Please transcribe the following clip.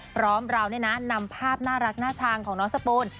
พร้อมร้าวนี่นะนำภาพน่ารักหน้าชางของน้องสปูน